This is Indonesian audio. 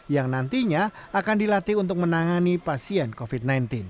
yang nantinya akan dilatih untuk menangani pasien covid sembilan belas